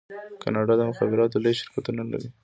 کاناډا د مخابراتو لوی شرکتونه لري.